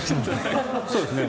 そうですね。